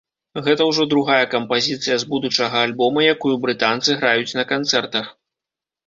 Гэта ўжо другая кампазіцыя з будучага альбома, якую брытанцы граюць на канцэртах.